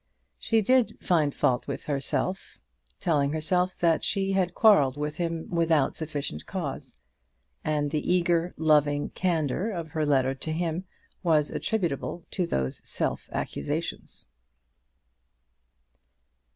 She did find fault with herself, telling herself that she had quarrelled with him without sufficient cause; and the eager, loving candour of her letter to him was attributable to those self accusations.